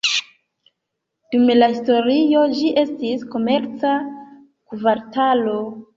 Dum la historio ĝi estis komerca kvartalo.